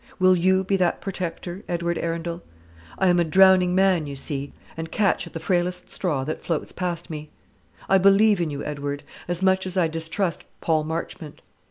Will you be that protector, Edward Arundel? I am a drowning man, you see, and catch at the frailest straw that floats past me. I believe in you, Edward, as much as I distrust Paul Marchmont.